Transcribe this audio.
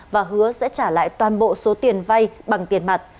và hứa sẽ trả lại toàn bộ số tiền vay bằng tiền mặt